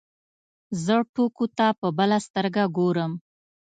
زه ټوکو ته په بله سترګه ګورم.